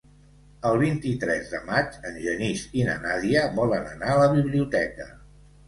El vint-i-tres de maig en Genís i na Nàdia volen anar a la biblioteca.